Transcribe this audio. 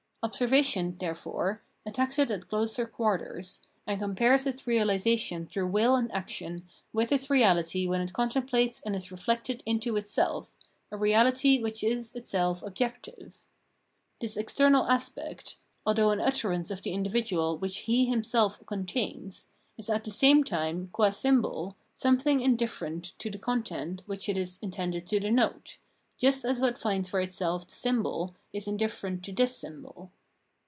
Observation, therefore, attacks it at closer quarters, and compares its reahsation through will and action with its reahty when it contemplates and is reflected into itself, a reaUty which is itself objective. This external aspect, although an utterance of the individual which he himself contains, is at the same time, qua symbol, something indifferent to the content which it is intended to denote, just as what finds for itself the symbol is indifferent to this symbol.